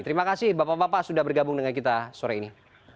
terima kasih bapak bapak sudah bergabung dengan kita sore ini